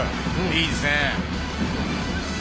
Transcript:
いいですね。